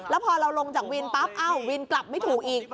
แล้วพอเราลงจากวินปั๊บวินกลับไม่ถูกอีก